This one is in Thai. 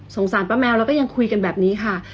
สารป้าแมวแล้วก็ยังคุยกันแบบนี้ค่ะ